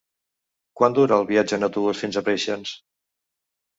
Quant dura el viatge en autobús fins a Preixens?